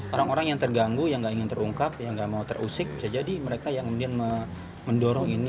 orang orang yang terganggu yang nggak ingin terungkap yang nggak mau terusik bisa jadi mereka yang kemudian mendorong ini